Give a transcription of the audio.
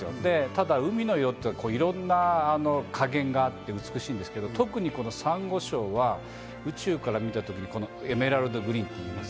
ただ、海の色っていろんな加減があって美しいんですけど、特にサンゴ礁は宇宙から見た時にエメラルドグリーン。